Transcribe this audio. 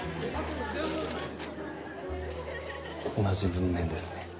同じ文面ですね。